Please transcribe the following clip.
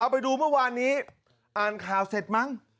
เอาไปดูวันนี้อ่านข่าวเสร็จมั้ง